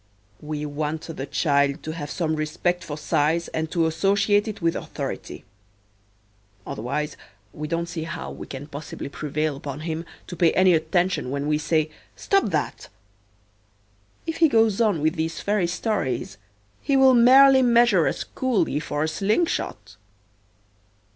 We want the child to have some respect for size and to associate it with authority. Otherwise we don't see how we can possibly prevail upon him to pay any attention when we say, "Stop that." If he goes on with these fairy stories he will merely measure us coolly for a slingshot.